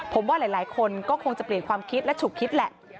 ผมว่าหลายคนก็คงจะเปลี่ยนความคิดและฉุกคิดแหละ